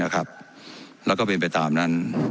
แล้วก็เป็นไปตามนั้น